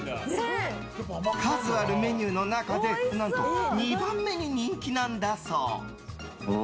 数あるメニューの中で何と２番目に人気なんだそう。